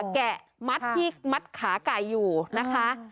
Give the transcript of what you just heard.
แกะมัดขาไก่อยู่นะคะ